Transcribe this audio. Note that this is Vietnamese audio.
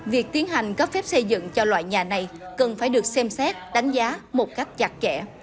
việc tiến hành cấp phép xây dựng cho loại nhà này cần phải được xem xét đánh giá một cách chặt kẽ